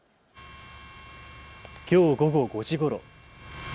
きょう午後５時ごろ。